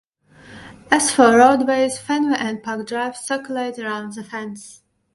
As for roadways, Fenway and Park Drive circulate around the Fens.